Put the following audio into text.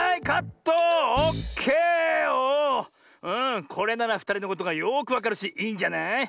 うんこれならふたりのことがよくわかるしいいんじゃない？